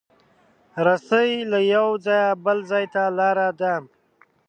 رسۍ له یو ځایه بل ځای ته لاره ده.